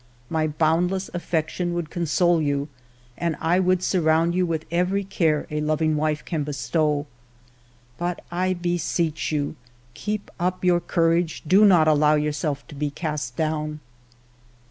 My boundless affection would console you, and I would surround you with every care a loving wife can bestow. But I beseech you, keep up your courage ; do not allow yourself to be cast down."